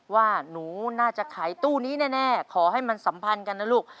ว่าหนูน่าจะขายตู้นี้แน่ขอให้มันสัมพันธ์กันนะลูก